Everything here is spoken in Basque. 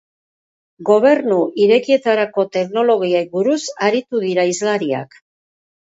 Gobernu Irekietarako teknologiei buruz aritu dira hizlariak.